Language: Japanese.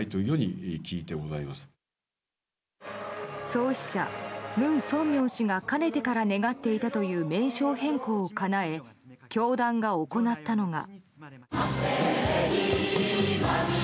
創始者・文鮮明氏がかねてから願っていたという名称変更をかなえ教団が行ったのが。